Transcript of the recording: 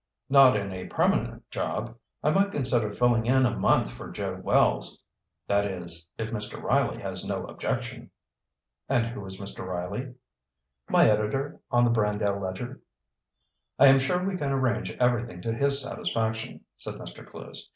"Not in a permanent job. I might consider filling in a month for Joe Wells. That is, if Mr. Riley has no objection." "And who is Mr. Riley?" "My editor on the Brandale Ledger." "I am sure we can arrange everything to his satisfaction," said Mr. Clewes.